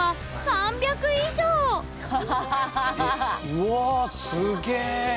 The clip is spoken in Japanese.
うわすげえ！